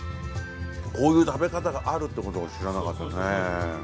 こういう食べ方があるってことを知らなかった。